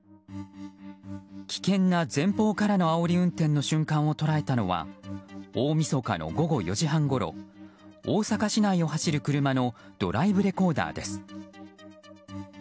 危険な前方からあおり運転の瞬間を捉えたのは大みそかの午後４時半ごろ大阪市内を走る車のドライブレコーダーです。